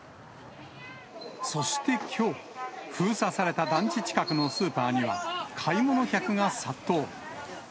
そしてきょう、封鎖された団地近くのスーパーには、買い物客が殺到。